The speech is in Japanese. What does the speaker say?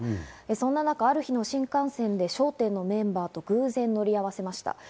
そんな中、ある日の新幹線で『笑点』のメンバーと偶然乗り合わせました。